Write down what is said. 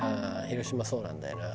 広島そうなんだよな。